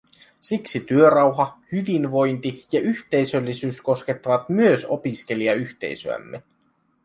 Siksi työrauha, hyvinvointi ja yhteisöllisyys koskettavat myös opiskelijayhteisöämme.